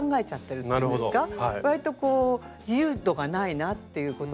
わりと自由度がないなっていうこともあるし。